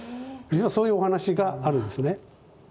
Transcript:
実はそういうお話があるんですね。